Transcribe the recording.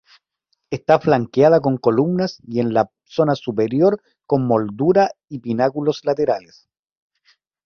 Está flanqueada con columnas y en la zona superior con moldura y pináculos laterales.